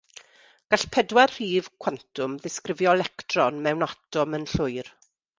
Gall pedwar rhif cwantwm ddisgrifio electron mewn atom yn llwyr.